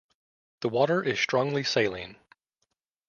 The water is strongly saline.